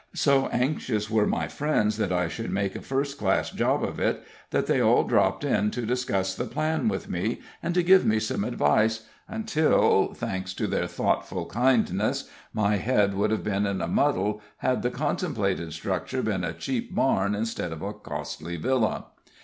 So anxious were my friends that I should make a first class job of it, that they all dropped in to discuss the plan with me, and to give me some advice, until thanks to their thoughtful kindness my head would have been in a muddle had the contemplated structure been a cheap barn instead of a costly villa.